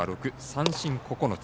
三振９つ。